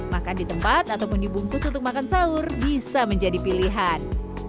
makan di tempat ataupun dibungkus untuk makan sahur bisa menjadi pilihan